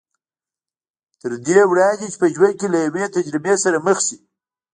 تر دې وړاندې چې په ژوند کې له يوې تجربې سره مخ شي.